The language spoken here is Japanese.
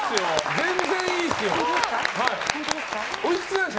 全然いいですよ。